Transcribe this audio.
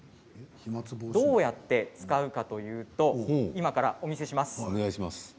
どうやって使うかといいますと今からお見せします。